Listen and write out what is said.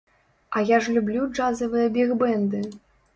А я ж люблю джазавыя біг-бэнды!